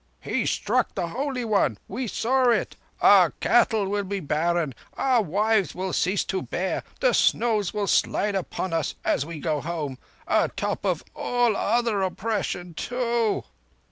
"He struck the Holy One—we saw it! Our cattle will be barren—our wives will cease to bear! The snows will slide upon us as we go home... Atop of all other oppression too!"